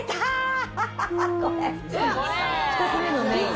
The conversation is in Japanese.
２つ目のメイン。